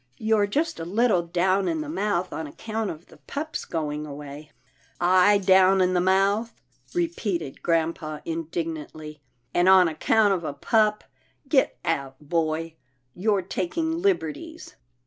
You're just a little down in the mouth on account of the pup's going away." ''I down in the mouth," repeated grampa indig nantly, " and on account of a pup. Get out, boy, you're taking liberties."